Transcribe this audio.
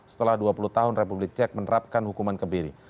setelah dua puluh tahun republik cek menerapkan hukuman kebiri